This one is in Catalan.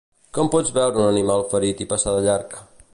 Com pots veure un animal ferit i passar de llarg?